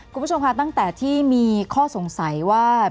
คุณผู้ชมค่ะตั้งแต่ที่มีข้อสงสัยว่า